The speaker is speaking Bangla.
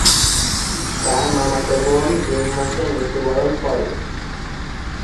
তার মামাতো বোন জুন মাসে মৃত্যুবরণ করে।